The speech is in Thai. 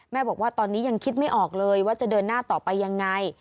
บอกว่าตอนนี้ยังคิดไม่ออกเลยว่าจะเดินหน้าต่อไปยังไง